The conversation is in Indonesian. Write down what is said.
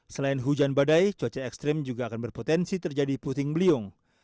selain hujan badai cuaca ekstrim juga akan berpotensi terjadi puting beliung